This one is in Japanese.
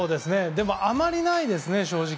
でも、あまりないですね正直。